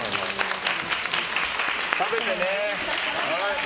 食べてね。